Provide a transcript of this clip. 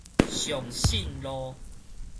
松信路